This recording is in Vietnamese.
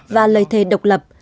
và lời thề độc lập